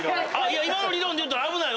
今の理論でいったら危ない。